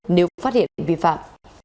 nếu phát hiện vi phạm